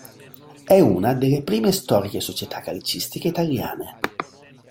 È una delle prime storiche società calcistiche italiane.